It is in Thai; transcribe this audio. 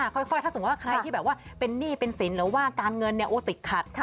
ค่อยถ้าสมมุติว่าใครที่แบบว่าเป็นหนี้เป็นสินหรือว่าการเงินติดขัด